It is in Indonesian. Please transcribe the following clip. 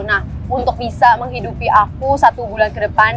nah untuk bisa menghidupi aku satu bulan ke depan